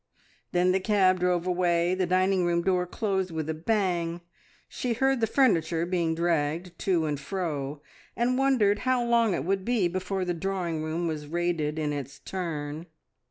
Then the cab drove away, the dining room door closed with a bang, she heard the furniture being dragged to and fro, and wondered how long it would be before the drawing room was raided in its turn.